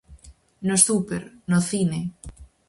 No súper, no cine.